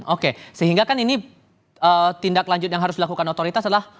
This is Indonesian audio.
oke sehingga kan ini tindak lanjut yang harus dilakukan otoritas adalah